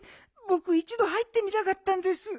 ぼくいちど入ってみたかったんです。